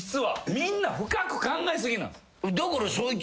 みんな深く考えすぎなんです。